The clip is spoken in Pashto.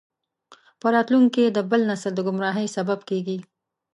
په راتلونکي کې د بل نسل د ګمراهۍ سبب کیږي.